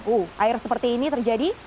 uh air seperti ini terjadi